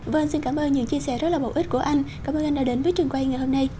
vâng xin cảm ơn những chia sẻ rất là bổ ích của anh cảm ơn anh đã đến với trường quay ngày hôm nay